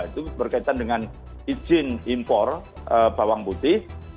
itu berkaitan dengan izin impor bawang putih